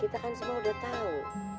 kita kan semua udah tahu